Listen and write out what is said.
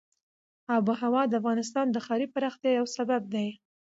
آب وهوا د افغانستان د ښاري پراختیا یو سبب دی.